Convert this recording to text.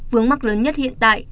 vướng mắt lớn nhất hiện tại